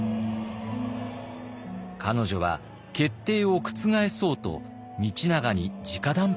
彼女は決定を覆そうと道長にじか談判します。